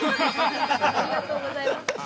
◆ありがとうございます。